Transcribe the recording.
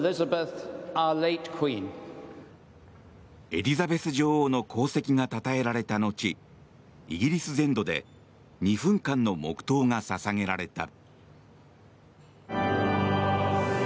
エリザベス女王の功績がたたえられた後イギリス全土で２分間の黙祷が捧げられた。